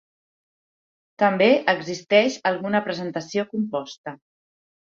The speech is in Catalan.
També existeix alguna presentació composta.